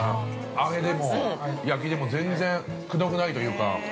揚げでも焼きでも全然くどくないというか。